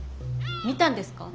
見たんですか？